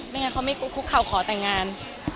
งั้นเขาไม่คุกเข่าขอแต่งงาน